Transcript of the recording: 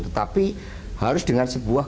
tetapi harus dengan sebuah